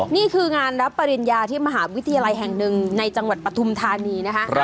นี่คืองานรับปริญญาที่มหาวิทยาลัยแห่งหนึ่งในจังหวัดปฐุมธานีนะคะ